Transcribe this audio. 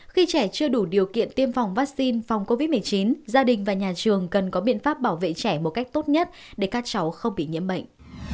khi trẻ chưa đủ điều kiện tiêm phòng vaccine phòng covid một mươi chín gia đình và nhà trường cần có biện pháp bảo vệ trẻ một cách tốt nhất để các cháu không bị nhiễm bệnh